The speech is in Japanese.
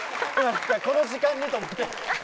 この時間にと思って。